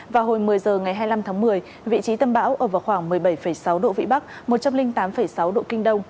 vào hồi một mươi h ngày hai mươi năm tháng một mươi vị trí tâm bão ở vào khoảng một mươi bảy sáu độ vĩ bắc một trăm linh tám sáu độ kinh đông